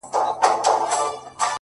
ته د کایناتو مالک یې